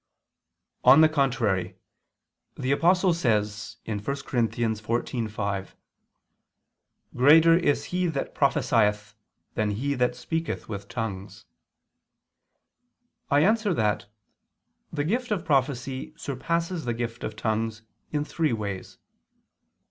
On the contrary, The Apostle says (1 Cor. 14:5): "Greater is he that prophesieth than he that speaketh with tongues." I answer that, The gift of prophecy surpasses the gift of tongues, in three ways.